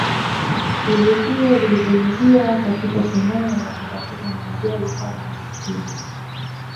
Vivutio vilivyoingia katika shindano la kutafuta maajabu saba ya Asili